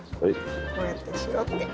こうやってしろって。